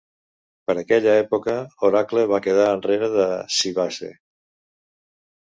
Per aquella època, Oracle va quedar enrere de Sybase.